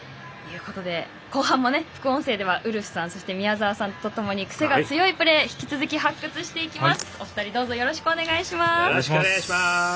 後半も副音声では宮澤さん、ウルフさんとクセが強いプレー引き続き発掘していきます。